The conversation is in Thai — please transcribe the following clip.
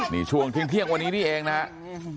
นี่ช่วงเที่ยงวันนี้นี่เองนะครับ